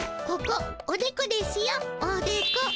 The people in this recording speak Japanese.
ここおでこですよおでこ。